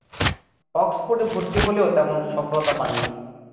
অক্সফোর্ডে ভর্তি হলেও তেমন সফলতা পাননি।